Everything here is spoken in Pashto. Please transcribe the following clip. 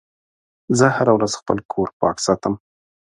زه هره ورځ خپل کور پاک ساتم.